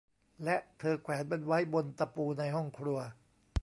และเธอแขวนมันไว้บนตะปูในห้องครัว